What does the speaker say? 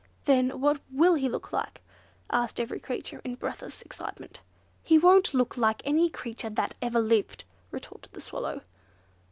"Then what will he look like?" asked every creature in breathless excitement. "He won't look like any creature that ever lived," retorted the Swallow.